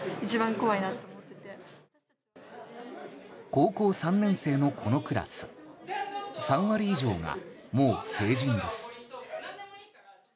高校３年生のこのクラス３割以上が、もう成人です。